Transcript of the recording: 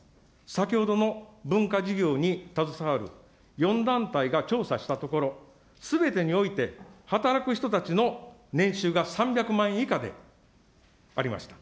先ほどの文化事業に携わる、４団体が調査したところ、すべてにおいて、働く人たちの年収が３００万円以下でありました。